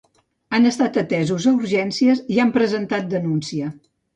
Han estat atesos a urgències i han presentat denuncia.